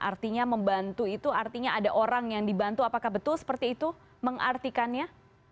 artinya membantu itu artinya ada orang yang dibantu apakah betul seperti itu mengartikannya